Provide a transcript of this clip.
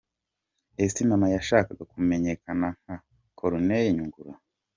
Ese mama yashakaga kumenyekana nka Corneille Nyungura?